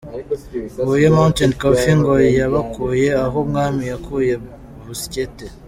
Huye Mountain Coffee ngo yabakuye aho umwami yakuye Busyete.